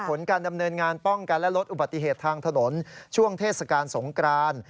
ผลการดำเนินงานป้องกันและลดอุบัติเหตุทางถนนช่วงเทศกาลสงกราน